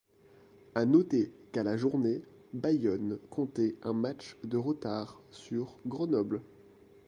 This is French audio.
À noter qu'à la journée, Bayonne comptait un match de retard sur Grenoble.